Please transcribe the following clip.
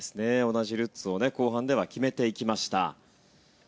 同じルッツを後半では決めていきました。